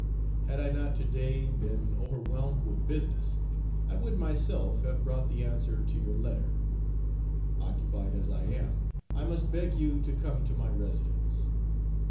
Had I not to day been overwhelmed with business, I would myself have brought the answer Page 229 to your letter. Occupied as I am, I must beg you to come to my residence.